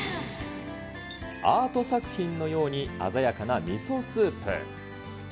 アート作品のように鮮やかなみそスープ。